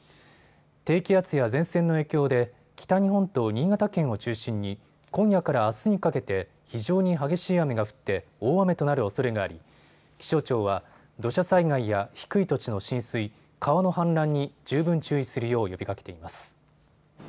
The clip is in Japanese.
低気圧や前線の影響で北日本と新潟県を中心に今夜からあすにかけて非常に激しい雨が降って大雨となるおそれがあり気象庁は土砂災害や低い土地の浸水、川の氾濫に十分注意するよう呼びかけています。